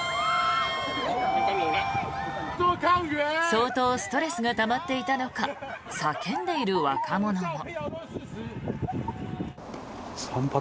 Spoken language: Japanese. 相当ストレスがたまっていたのか叫んでいる若者も。